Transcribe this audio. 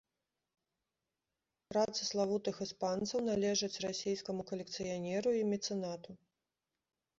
Працы славутых іспанцаў належаць расійскаму калекцыянеру і мецэнату.